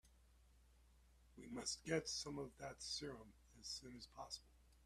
We must get some of that serum as soon as possible.